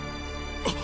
あっ！？